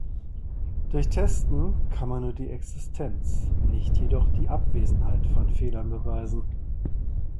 Durch Testen kann man nur die Existenz, nicht jedoch die Abwesenheit von Fehlern beweisen.